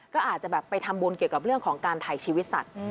ก็อาจจะแบบไปทำบุญเกี่ยวกับเรื่องของการถ่ายชีวิตสัตว์